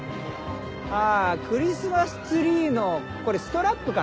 あクリスマスツリーのこれストラップかな？